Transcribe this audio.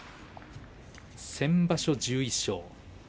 先場所１１勝。